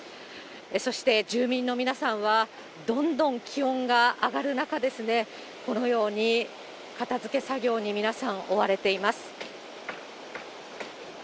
そして住民の皆さんは、どんどん気温が上がる中ですね、このように片づけ作業に皆さん、追われています。